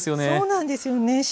そうなんですよね